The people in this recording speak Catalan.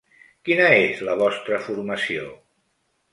Quina és la vostra formació?